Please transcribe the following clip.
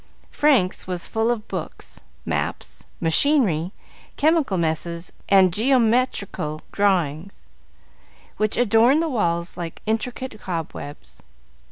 Frank's was full of books, maps, machinery, chemical messes, and geometrical drawings, which adorned the walls like intricate cobwebs.